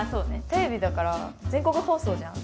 テレビだから全国放送じゃん。